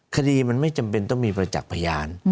คดีมันไม่จำเป็นต้องมีประจักษ์พยาน